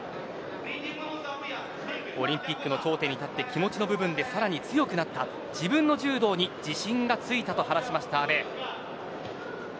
オリンピックの頂点に立って気持ちの部分でさらに強くなった自分の柔道に自信がついたと話しました阿部です。